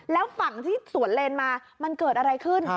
แล้วฝั่งที่สวนเลนมามันเกิดอะไรขึ้น